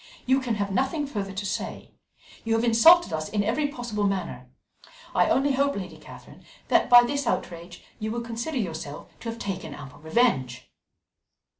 "You can have nothing further to say. You have insulted us in every possible manner. I only hope, Lady Catherine, that by this outrage you will consider yourself to have taken ample revenge."